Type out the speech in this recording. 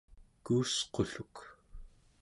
kuusqulluk